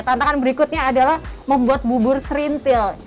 tantangan berikutnya adalah membuat bubur serintil